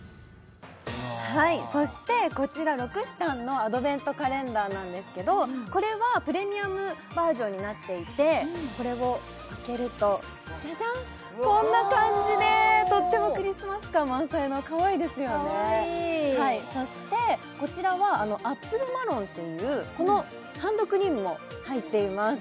はいそしてこちらロクシタンのアドベントカレンダーなんですけどこれはプレミアムバージョンになっていてこれを開けるとジャジャンこんな感じでとってもクリスマス感満載のかわいいですよねかわいいそしてこちらはアップルマロンっていうこのハンドクリームも入っています